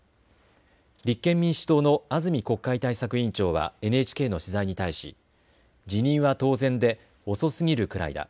立憲民主党の安住国会対策委員長はＮＨＫの取材に対し辞任は当然で遅すぎるくらいだ。